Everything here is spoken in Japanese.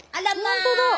本当だ。